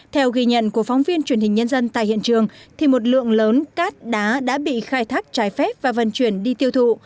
theo ghi nhận của phóng viên truyền hình nhân dân tại hiện trường một lượng lớn cát đá đã bị khai thác trái phép và vận chuyển đi tiêu thụ